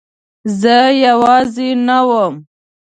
زه یوازې نه وم.